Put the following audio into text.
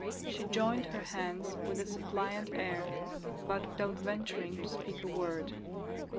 She joined her hands with a suppliant air, but without venturing to speak a word.